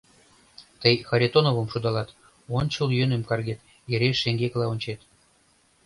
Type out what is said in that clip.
— Тый Харитоновым шудалат, ончыл йӧным каргет, эре шеҥгекыла ончет.